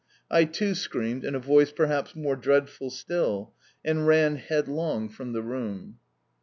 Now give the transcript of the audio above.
I too screamed in a voice perhaps more dreadful still, and ran headlong from the room.